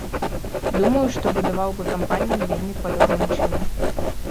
Думаю, што будаваў бы кампанію вельмі падобным чынам.